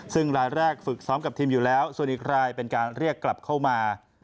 ซึ่งรายแรกฝึกซ้อมกับทีมอยู่แล้วส่วนอีกรายเป็นการเรียกกลับเข้ามา